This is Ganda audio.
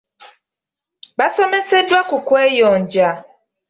Baasomeseddwa ku kweyonja.